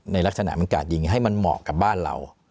ในลักษณะมันกาดยิงให้มันเหมาะกับบ้านเรา